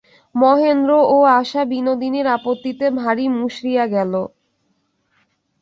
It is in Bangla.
মহেন্দ্র ও আশা বিনোদিনীর আপত্তিতে ভারি মুষড়িয়া গেল।